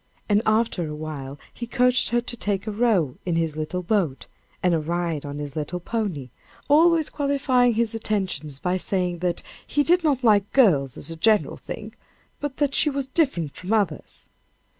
And after a while he coaxed her to take a row in his little boat, and a ride on his little pony always qualifying his attentions by saying that he did not like girls as a general thing, but that she was different from others.